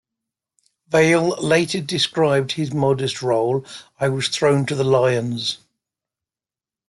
Vale later described his modest role: I was thrown to the lions.